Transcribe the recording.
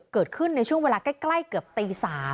เกิดขึ้นในช่วงเวลาใกล้เกือบตี๓